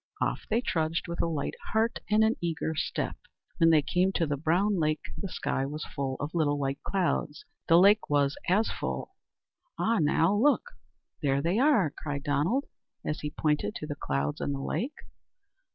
Off they trudged, with a light heart and an eager step. When they came to the Brown Lake the sky was full of little white clouds, and, if the sky was full, the lake was as full. "Ah! now, look, there they are," cried Donald, as he pointed to the clouds in the lake.